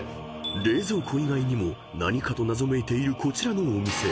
［冷蔵庫以外にも何かと謎めいているこちらのお店］